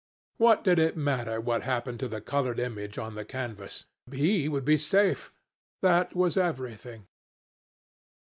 What did it matter what happened to the coloured image on the canvas? He would be safe. That was everything.